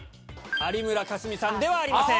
有村架純さんではありません。